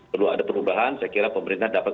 perlu ada perubahan saya kira pemerintah dapat